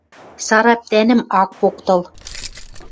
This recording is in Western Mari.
Сар ӓптӓнӹм ак поктыл.